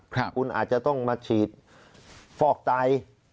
คุณอาจจะต้องมาฉีดฟอกไต